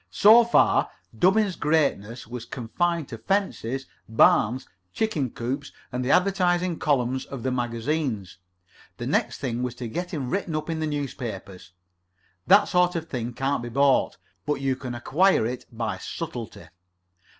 "So far, Dubbins's greatness was confined to fences, barns, chicken coops, and the advertising columns of the magazines. The next thing was to get him written up in the newspapers. That sort of thing can't be bought, but you can acquire it by subtlety.